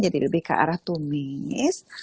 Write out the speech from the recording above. jadi lebih ke arah tumis